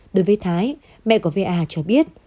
đối với thái mẹ của va cho biết